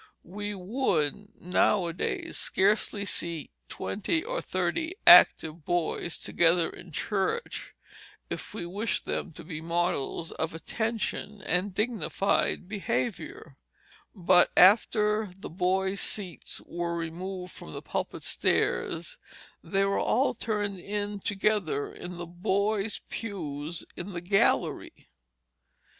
We would nowadays scarcely seat twenty or thirty active boys together in church if we wished them to be models of attention and dignified behavior; but after the boys' seats were removed from the pulpit stairs they were all turned in together in a "boys' pew" in the gallery.